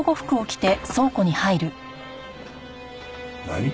何！？